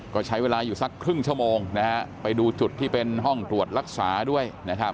ก็ใช้เวลาอยู่สักครึ่งชั่วโมงนะฮะไปดูจุดที่เป็นห้องตรวจรักษาด้วยนะครับ